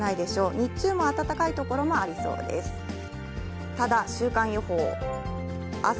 日中も暖かい所もありそうです。